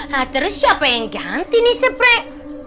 hah terus siapa yang ganti nih seprek